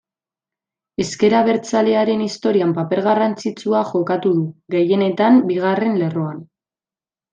Ezker abertzalearen historian paper garrantzitsua jokatu du, gehienetan bigarren lerroan.